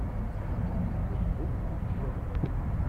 Ibedden yetwehhem